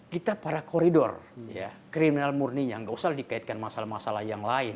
kita para koridor kriminal murninya nggak usah dikaitkan masalah masalah yang lain